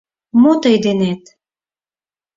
— Мо тый денет?